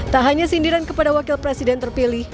tak hanya sindiran kepada wakil presiden terpilih